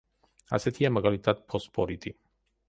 ასეთია მაგალითად ფოსფორიტი.